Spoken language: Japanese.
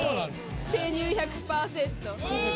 「生乳１００％」。